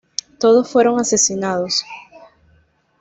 Todos fueron asesinados.